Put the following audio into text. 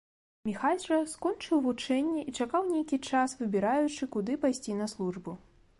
Міхась жа скончыў вучэнне і чакаў нейкі час, выбіраючы, куды пайсці на службу.